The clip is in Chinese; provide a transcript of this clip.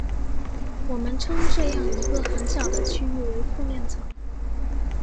我们称这样一个很小的区域为附面层。